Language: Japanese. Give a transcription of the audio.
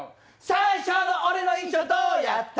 最初の俺の印象、どうやった？